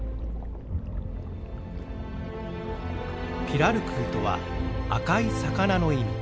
ピラルクーとは「赤い魚」の意味。